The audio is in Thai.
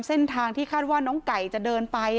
เส้นทางที่คาดว่าน้องไก่จะเดินไป